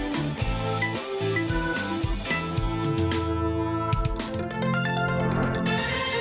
โปรดติดตามตอนต่อไป